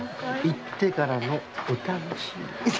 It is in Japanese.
行ってからのお楽しみ。